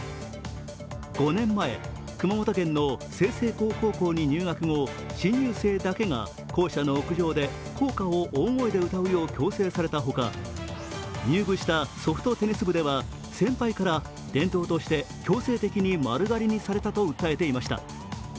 ５年前、熊本県の済々黌高校に入学後、新入生だけが校舎の屋上で校歌を大声で歌うよう強制されたほか、入部したソフトテニス部では先輩から伝統として強制的に丸刈りにされたと訴えていました。